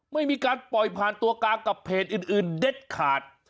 ไม่มีการปล่อยผ่านตัวกลางกับเพจอื่นเด็ดขาด